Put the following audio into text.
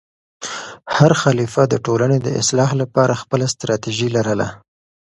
هر خلیفه د ټولنې د اصلاح لپاره خپله ستراتیژي لرله.